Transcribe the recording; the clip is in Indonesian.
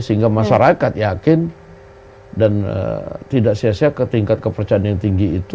sehingga masyarakat yakin dan tidak sia sia ke tingkat kepercayaan yang tinggi itu